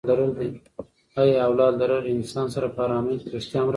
ایا اولاد لرل له انسان سره په ارامي کې ریښتیا مرسته کوي؟